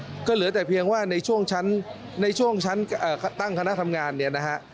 เดี๋ยวเหลือแต่เพียงว่าในช่วงชั้นตั้งคณะทำงานเนี่ยนะฮะ